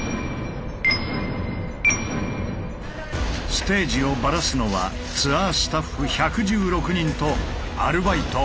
ステージをバラすのはツアースタッフ１１６人とアルバイト８０人。